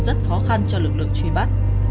rất khó khăn cho lực lượng truy bắt